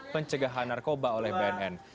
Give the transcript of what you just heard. pencegahan narkoba oleh bnn